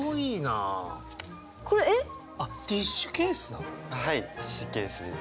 あはいティッシュケースです。